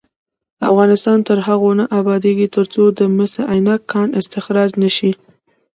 افغانستان تر هغو نه ابادیږي، ترڅو د مس عینک کان استخراج نشي.